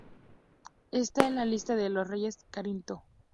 Esta es la lista de reyes de Corinto.